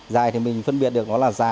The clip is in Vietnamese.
dài thì mình phân biệt được nó là già